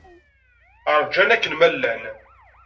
Ṛjan akken ma llan.